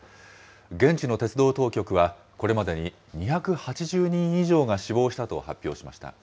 現地の鉄道当局は、これまでに２８０人以上が死亡したと発表しました。